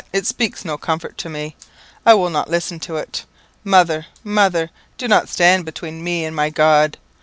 It speaks no comfort to me. I will not listen to it. Mother, mother! do not stand between me and my God.